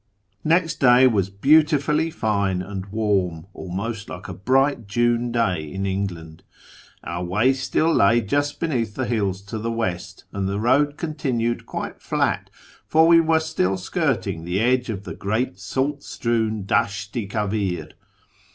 Next day was beautifully fine and warm, almost like a bright June day in England. Our way still lay just beneath I the hills to the west, and the road continued quite flat, for we were still skirting the edge of the great salt strewn Dasht i Kavi'r.